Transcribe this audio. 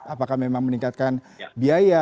apakah memang meningkatkan biaya